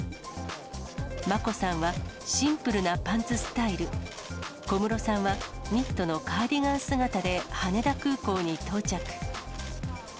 眞子さんはシンプルなパンツスタイル、小室さんはニットのカーディガン姿で羽田空港に到着。